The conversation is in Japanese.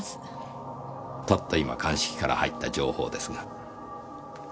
たった今鑑識から入った情報ですが。